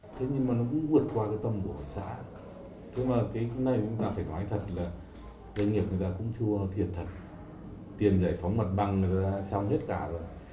thế nhưng mà nó cũng vượt qua cái tâm của xã thế mà cái này chúng ta phải nói thật là doanh nghiệp người ta cũng chưa thiệt thật tiền giải phóng mặt bằng người ta đã xong hết cả rồi